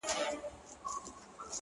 شاعر او شاعره ـ